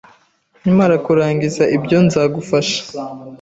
Nkimara kurangiza ibyo, nzagufasha.